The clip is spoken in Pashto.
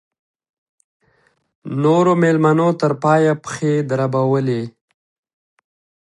نورو مېلمنو تر پایه پښې دربولې.